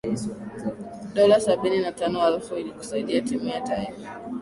dola sabini na tano alfu ilikusaidia timu ya taifa